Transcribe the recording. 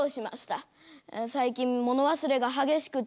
「最近物忘れが激しくて」。